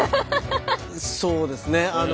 そうですねあの。